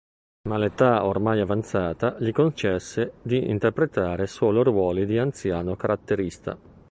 Ma l'età ormai avanzata gli concesse di interpretare solo ruoli di anziano caratterista.